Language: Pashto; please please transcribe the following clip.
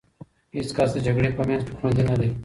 هېڅ کس د جګړې په منځ کې خوندي نه دی.